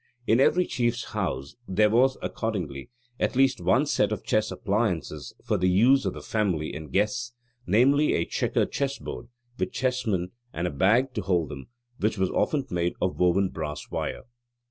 In every chief's house there was accordingly at least one set of chess appliances for the use of the family and guests; namely, a chequered chess board, with chessmen and a bag to hold them, which was often made of woven brass wire.